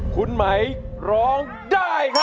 คุณไหมร้องได้ครับ